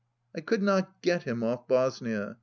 I could not get him off Bosnia.